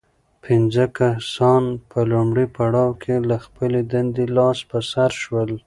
پنځه کسان په لومړي پړاو کې له خپلې دندې لاس په سر شول.